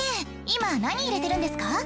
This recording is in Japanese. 今何入れてるんですか？